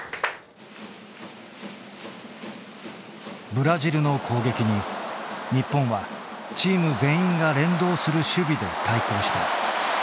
ブラジルの攻撃に日本はチーム全員が連動する守備で対抗した。